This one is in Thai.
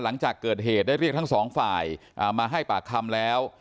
หลังจากเกิดเหตุได้เรียกทั้งสองฝ่ายมาให้ปากคำแล้ว